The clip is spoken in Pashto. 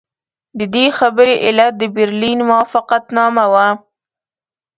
د دې خبرې علت د برلین موافقتنامه وه.